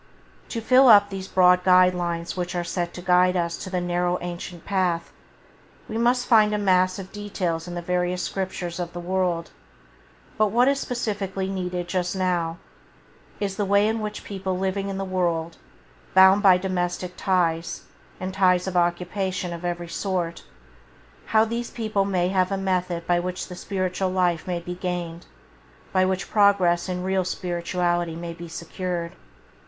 To fill up these broad outlines which are set to guide us to the narrow ancient Path, we may find a mass of details in the various scriptures of the world, but what is specially needed just now, is the way in which people living in the world, bound by domestic ties, and ties of occupation of every sort, how these people may have a method by which the spiritual life may be gained, by which progress in real spirituality may be secured.